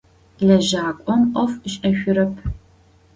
Лэжьакӏом ӏоф ышӏэшъурэп.